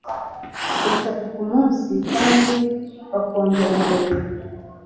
eshatu ku munsi, kandi bakongera mbere